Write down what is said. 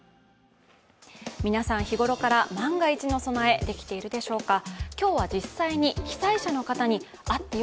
皆さん、日頃から万が一の備えできているでしょうか。